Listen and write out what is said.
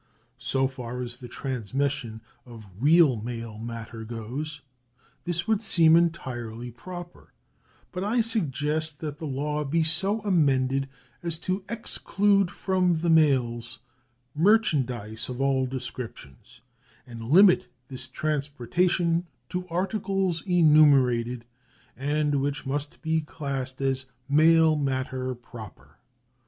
So far as the transmission of real mail matter goes, this would seem entirely proper; but I suggest that the law be so amended as to exclude from the mails merchandise of all descriptions, and limit this transportation to articles enumerated, and which may be classed as mail matter proper.